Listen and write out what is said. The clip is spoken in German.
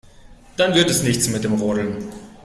Dann wird es nichts mit dem Rodeln.